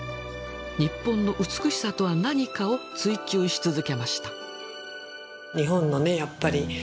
日本の美しさとは何かを追求し続けました。